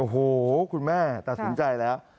โอ้โหคุณแม่ตัดสินใจแล้ว